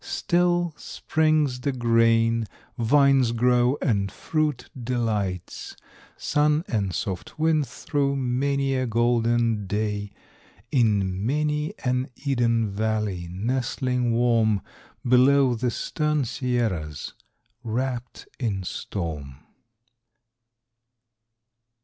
Still springs the grain, vines grow and fruit delights Sun and soft winds through many a golden day In many an Eden valley, nestling warm Below the stern Sierras, wrapped in storm.